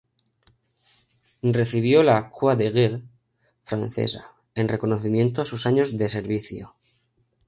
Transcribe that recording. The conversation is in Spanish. Recibió la "croix de guerre" francesa en reconocimiento a sus años de servicio.